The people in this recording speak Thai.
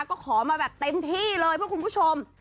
ก็ขอมาแบบเต็มที่เลยเพื่อคุณผู้ชม